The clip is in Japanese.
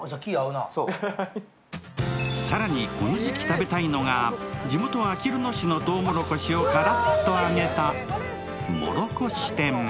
更にこの時期食べたいのが地元あきる野市のとうもろこしをカラッと揚げたもろこし天。